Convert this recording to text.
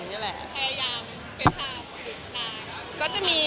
พยายามไปถาดสึกราย